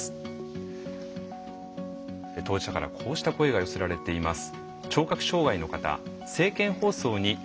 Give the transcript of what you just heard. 当事者からこうした声が寄せられています。